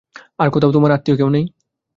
আর কোথাও তোমার আত্মীয় কেউ নেই?